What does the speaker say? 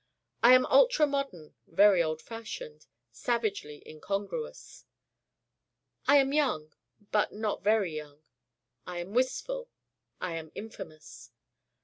I am ultra modern, very old fashioned: savagely incongruous. I am young, but not very young. I am wistful I am infamous.